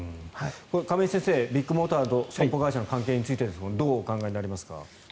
亀井先生ビッグモーターと損保会社の関係についてどうお考えになりますか。